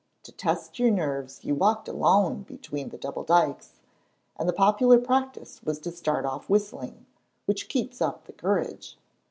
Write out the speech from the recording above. To test your nerves you walked alone between the double dykes, and the popular practice was to start off whistling, which keeps up the courage.